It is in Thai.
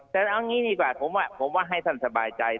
แต่เอางี้ดีกว่าผมว่าให้ท่านสบายใจ